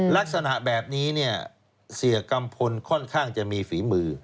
ลักษณะแบบนี้เนี่ยเสียกัมพลค่อนข้างจะมีฝีมือ